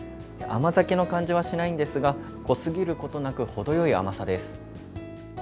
甘酒の感じはしないんですが、濃すぎることなく、程よい甘さです。